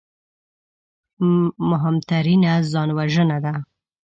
مهمترینه ځانوژنه ده